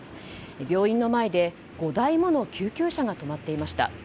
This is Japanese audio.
病院の前で５台もの救急車が止まっていました。